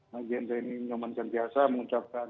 pak hendra ini nyoman cantik asal mengucapkan